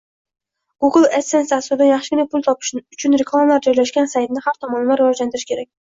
Google adsense dasturidan yaxshigina pul topish uchun reklamalar joylashgan saytni har tomonlama rivojlantirish kerak